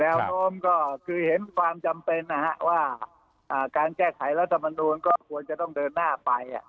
แนวโน้มก็คือเห็นความจำเป็นนะฮะว่าการแก้ไขรัฐมนูลก็ควรจะต้องเดินหน้าไป